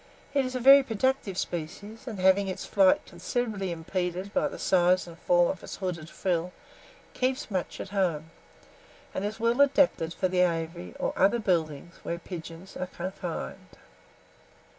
It is a very productive species, and, having its flight considerably impeded by the size and form of its hooded frill, keeps much at home, and is well adapted for the aviary or other buildings where pigeons are confined.